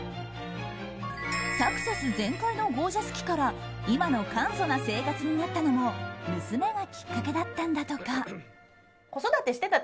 サクセス全開のゴージャス期から今の簡素な生活になったのも娘がきっかけだったんだとか。